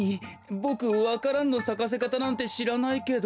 ボクわか蘭のさかせかたなんてしらないけど。